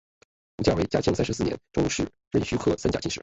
胡价为嘉靖三十四年中式壬戌科三甲进士。